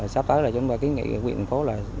sắp tới là chúng tôi ký nghị quyền phố là